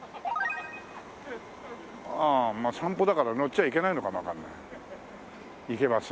あ散歩だから乗っちゃいけないのかもわかんない。